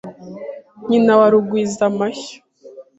Nyina wa Rugwizamashyo